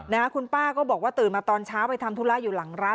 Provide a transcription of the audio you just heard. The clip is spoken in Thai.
นะฮะคุณป้าก็บอกว่าตื่นมาตอนเช้าไปทำธุระอยู่หลังร้าน